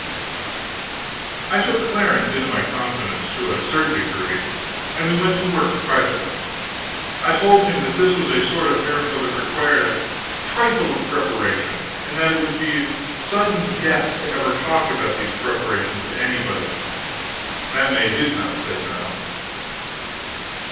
I took Clarence into my confidence, to a certain degree, and we went to work privately. I told him that this was a sort of miracle that required a trifle of preparation, and that it would be sudden death to ever talk about these preparations to anybody. That made his mouth safe enough.